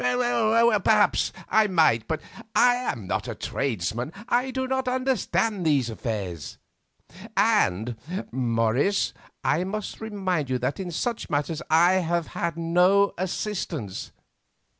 "Perhaps I might, but I am not a tradesman; I do not understand these affairs. And, Morris, I must remind you that in such matters I have had no assistance.